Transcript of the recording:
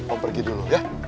om pergi dulu ya